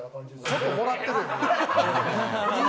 ちょっともらってるよ。